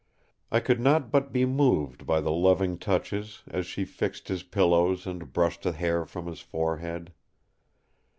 I could not but be moved by the loving touches as she fixed his pillows and brushed the hair from his forehead.